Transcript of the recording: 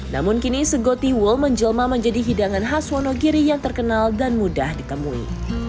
namun kini segotiwol menjelma menjadi hidangan khas wonogiri yang terkenal dan mudah ditemui